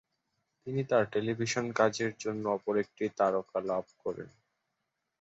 তিনি তার টেলিভিশন কাজের জন্য অপর একটি তারকা লাভ করেন।